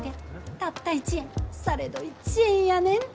たった１円されど１円やねんて。